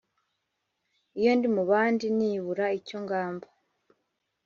iyo ndi mu bandi n’ ibura icyo ngamba